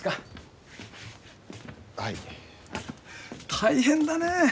大変だねぇ。